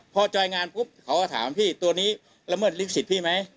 พอจอยงานปุ๊บเขาก็ถามพี่ตัวนี้ละเมิดลิขสิทธิ์พี่ไหม